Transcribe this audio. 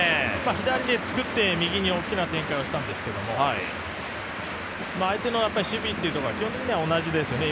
左で作って右に大きな展開をしたんですけども、相手の守備というところは基本的には同じですよね。